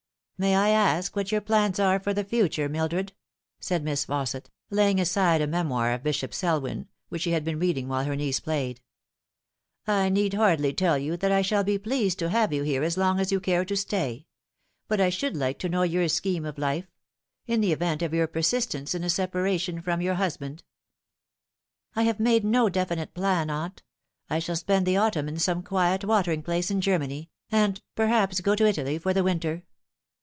" May I ask what your plans are for the future, Mildred ?" said Miss Fausset, laying aside a memoir of Bishop Selwyn, which she had been reading while her niece played. " I need hardly tell you that I shall be pleased to have you here as long as you care to stay ; but I should like to know your scheme of life in the event of your persistence in a separation from your husband." " I have made no definite plan, aunt. I shall spend the autumn in some quiet watering place in Germany, and perhaps go to Italy for the winter."